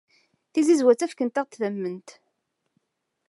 Tizizwa ttakfent-aɣ-d tamemt.